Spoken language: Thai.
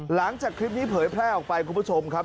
หลังจากคลิปนี้เผยแพร่ออกไปคุณผู้ชมครับ